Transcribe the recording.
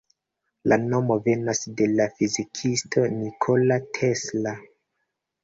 La nomo venas de la fizikisto Nikola Tesla.